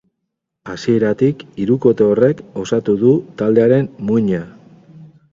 Hasieratik hirukote horrek osatu du taldearen muina.